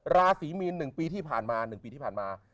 ราศีมีน๑ปีที่ผ่านมา